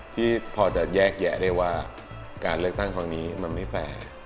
ที่พอจะแยกแยะได้ว่าการเลือกตั้งครั้งนี้มันไม่แฟร์